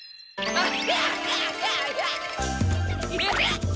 あっ！